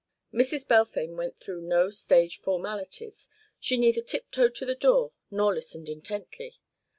Mrs. Balfame went through no stage formalities; she neither tiptoed to the door nor listened intently.